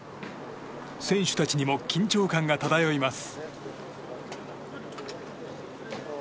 選手たちにも緊張感が漂います。